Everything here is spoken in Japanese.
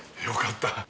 よかった。